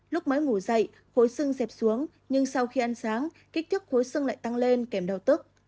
lúc mới ngủ dậy khối sưng dẹp xuống nhưng sau khi ăn sáng kích thước khối sưng lại tăng lên kèm đau tức